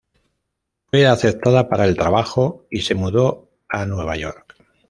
Fue aceptada para el trabajo y se mudó a Nueva York.